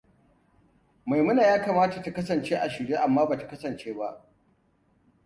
Maimuna ya kamata ta kasance a shirye, amma ba ta kasance ba.